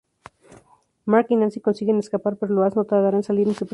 Mark y Nancy consiguen escapar, pero Blast no tardará en salir en su persecución.